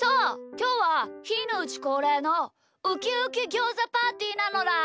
きょうはひーのうちこうれいのウキウキギョーザパーティーなのだ！